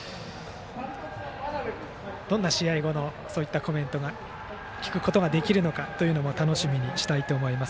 どんな試合後のコメントを聞くことができるのかも楽しみにしたいと思います。